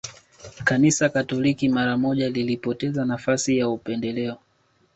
Kanisa Katoliki mara moja lilipoteza nafasi ya upendeleo